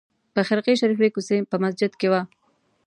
په خرقې شریفې کوڅې په مسجد کې وه.